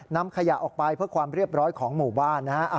นำขยะออกไปเพื่อความเรียบร้อยของหมู่บ้านนะฮะ